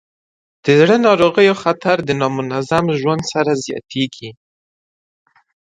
د زړه ناروغیو خطر د نامنظم ژوند سره زیاتېږي.